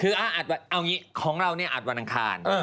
คือเอาอย่างนี้ของเราเนี่ยอัดวันอังคาร